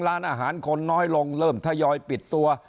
ร้านอาหารคนน้อยลงเริ่มทยอยปิดตัว